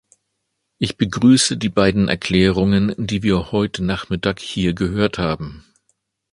Ich begrüße die beiden Erklärungen, die wir heute nachmittag hier gehört haben.